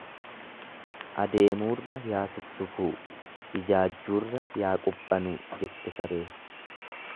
Adeemuurra yaa suksukuu, ijaajjuurra yaa quphanuu jette sareen.